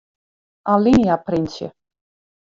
Alinea printsje.